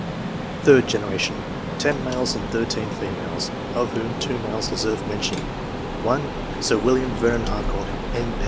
Third generation. — 10 males and 13 females, of whom 2 males deserve mention: — (1) Sir William Vernon Harcourt, M.